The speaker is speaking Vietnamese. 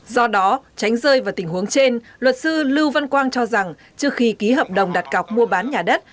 do đó tránh rơi vào tình huống trên luật sư lưu văn quang cho rằng trước khi ký hợp đồng đặt cọc mua bán nhà đất